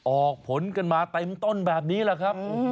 ออกผลกันมาเต็มต้นแบบนี้แหละครับ